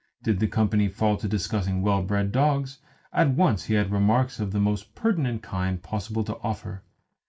Did the company fall to discussing well bred dogs, at once he had remarks of the most pertinent kind possible to offer.